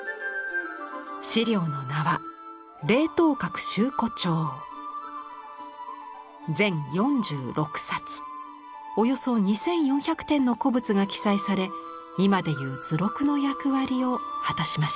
資料の名は凡そ２４００点の古物が記載され今でいう図録の役割を果たしました。